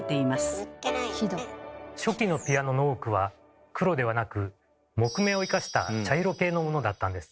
初期のピアノの多くは黒ではなく木目を生かした茶色系のものだったんです。